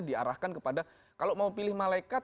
diarahkan kepada kalau mau pilih malaikat